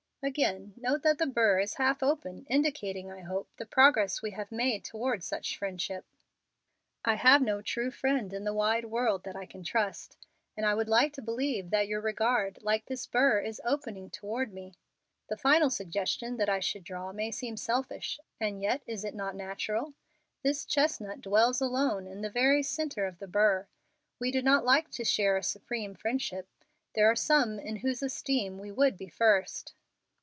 Again, note that the burr is half open, indicating, I hope, the progress we have made toward such friendship. I have no true friend in the wide world that I can trust, and I would like to believe that your regard, like this burr, is opening toward me. The final suggestion that I should draw may seem selfish, and yet is it not natural? This chestnut dwells alone in the very centre of the burr. We do not like to share a supreme friendship. There are some in whose esteem we would be first."